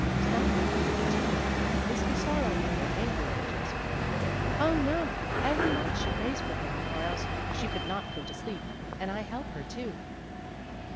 "Tell me," he continued, "is the Sorrow mother angry with Joseph?" "Oh, no! Every night she prays for him, or else she could not go to sleep; and I help her, too."